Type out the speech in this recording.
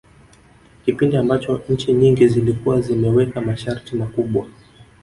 Kipindi ambacho nchi nyingi zilikuwa zimeweka masharti makubwa